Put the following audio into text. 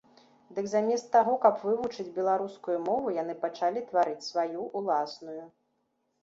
Дык замест таго, каб вывучыць беларускую мову, яны пачалі тварыць сваю, уласную.